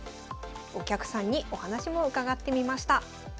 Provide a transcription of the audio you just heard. お客さんにお話も伺ってみました。